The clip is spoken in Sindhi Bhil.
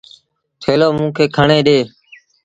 ٿيلو موݩ کي کڻي ڏي۔